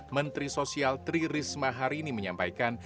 menteri sosial tri risma hari ini menyampaikan